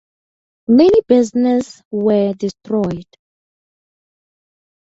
Many business were destroyed.